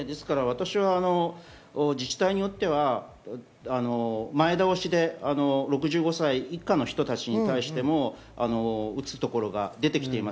私は自治体によっては前倒しで６５歳以下の人たちに対しても打つ所が出てきています。